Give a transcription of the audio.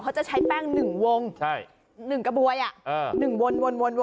จะใช้แป้ง๑วง๑กระบวย๑วนวน